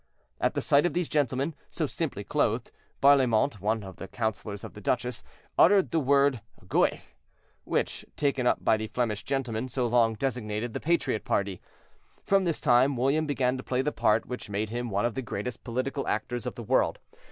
At the sight of these gentlemen, so simply clothed, Barlaimont, one of the councilors of the duchess, uttered the word "Gueux," which, taken up by the Flemish gentlemen, so long designated the patriot party. From this time William began to play the part which made him one of the greatest political actors of the world.